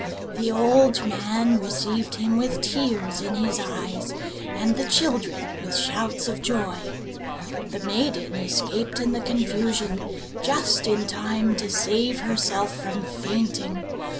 The old man received him with tears in his eyes, and the children with shouts of joy. The maiden escaped in the confusion, just in time to save herself from fainting.